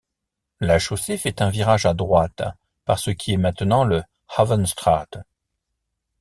La chaussée fait un virage à droite, par ce qui est maintenant le Havenstraat.